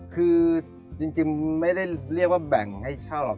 คือจริงไม่ได้เรียกว่าแบ่งให้เช่าหรอก